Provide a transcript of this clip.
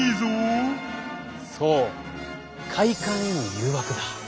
そう快感への誘惑だ。